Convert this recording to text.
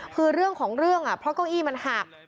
คือเรื่องของเรื่องเพราะเก้าอี้มันหัก